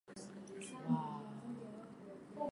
Tuta sikilizana nju ya ile mpango ya nkambo